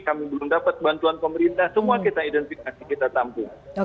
kami belum dapat bantuan pemerintah semua kita identifikasi kita tampung